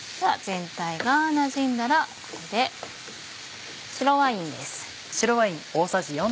全体がなじんだらここで白ワインです。